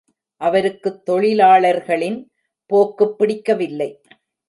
அவருக்குத் தொழிலாளர்களின் போக்குப் பிடிக்கவில்லை.